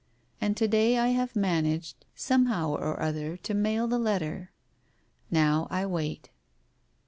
And to day I have managed somehow or other to mail the letter. Now I wait.